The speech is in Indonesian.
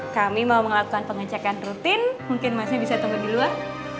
kami mau melakukan pengecekan rutin mungkin masnya bisa tunggu di luar